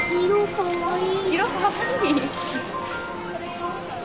かわいい。